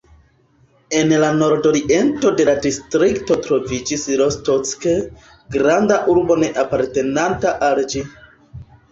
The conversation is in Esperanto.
En la nordoriento de la distrikto troviĝis Rostock, granda urbo ne apartenanta al ĝi.